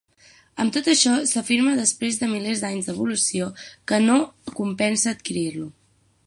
Amb tot això, s’afirma després de milers d’any d’evolució, que no compensa adquirir-lo.